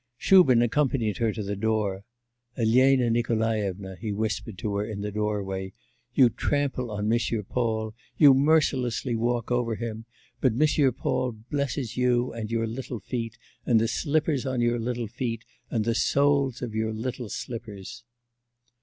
Shubin accompanied her to the door. 'Elena Nikolaevna,' he whispered to her in the doorway, 'you trample on Monsieur Paul, you mercilessly walk over him, but Monsieur Paul blesses you and your little feet, and the slippers on your little feet, and the soles of your little slippers.